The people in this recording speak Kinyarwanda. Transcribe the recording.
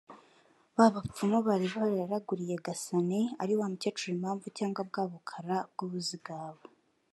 ba bapfumu bari bararaguriye Gasani (ari wa mukecuru Impamvu cyagwa bwa Bukara bw’Ubuzigaba)